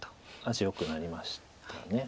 味よくなりました大体。